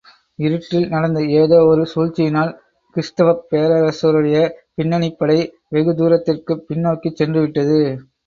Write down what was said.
இருட்டில் நடந்த ஏதோ ஒரு சூழ்ச்சியினால், கிறிஸ்தவப் பேரரசருடைய பின்னணிப்படை, வெகு தூரத்திற்குப் பின்னோக்கிச் சென்றுவிட்டது.